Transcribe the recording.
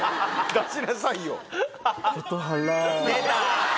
出しなさいよ。出た。